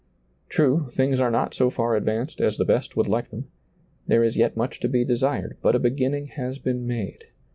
True, things are not so Cir advanced as the best would like them ; there is yet much to be desired, but a beginning has been made.